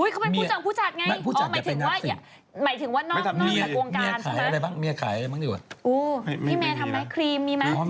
ขายอะไรบ้างเมียขายอะไรบ้างดีกว่าพี่แม่ทำไหมครีมมีมั้ย